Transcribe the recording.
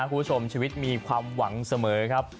คุณผู้ชมชีวิตมีความหวังเสมอครับ